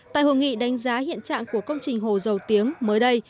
tại hội nghị đánh giá hiện trạng của công trình hồ dầu tiếng mới đây